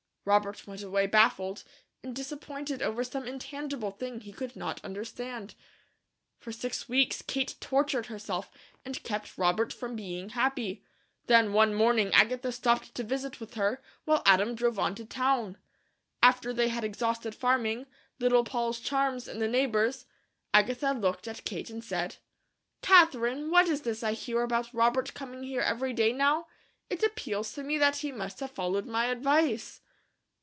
Robert went away baffled, and disappointed over some intangible thing he could not understand. For six weeks Kate tortured herself, and kept Robert from being happy. Then one morning Agatha stopped to visit with her, while Adam drove on to town. After they had exhausted farming, Little Poll's charms, and the neighbours, Agatha looked at Kate and said: "Katherine, what is this I hear about Robert coming here every day, now? It appeals to me that he must have followed my advice."